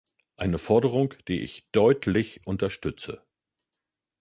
Eine Forderung, die ich deutlich unterstütze.